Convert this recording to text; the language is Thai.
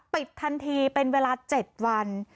ปิดทันทีเป็นเวลา๗วัน